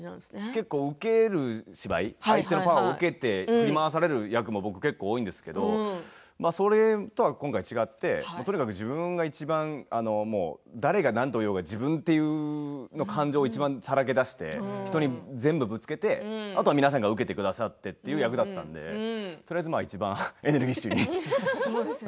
結構、受ける芝居相手のパワーを受けて振り回される役が多いんですけどそれとは今回違ってとにかく自分がいちばん誰が何と言おうと自分という感情をいちばんさらけ出して人に全部ぶつけてあとは皆さんが受けてくださったという役だったのでとりあえずいちばんエネルギッシュに。